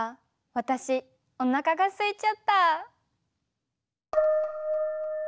私おなかがすいちゃった。